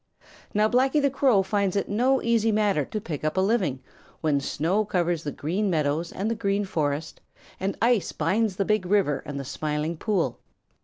Now Blacky the Crow finds it no easy matter to pick up a living when snow covers the Green Meadows and the Green Forest, and ice binds the Big River and the Smiling Pool.